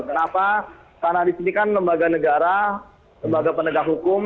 kenapa karena di sini kan lembaga negara lembaga penegak hukum